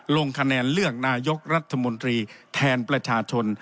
ลงคะแนนเลือกนายกรัฐมนตรีแทนประชาชน